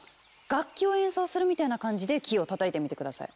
楽器を演奏するみたいな感じでキーを叩いてみて下さい。